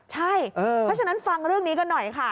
ใช่เพราะฉะนั้นฟังเรื่องนี้กันหน่อยค่ะ